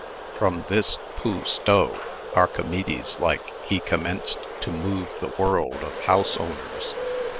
From this pou sto, Archimedes like, he commenced to move the world of house owners.